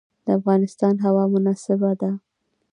د افغانستان هوا مناسبه ده.